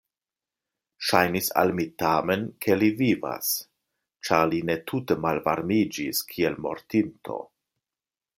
Ŝajnis al mi tamen, ke li vivas, ĉar li ne tute malvarmiĝis kiel mortinto.